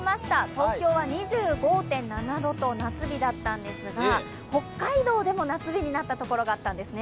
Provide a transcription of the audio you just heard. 東京は２５．７度と夏日だったんですが、北海道でも夏日になったところがあったんですね。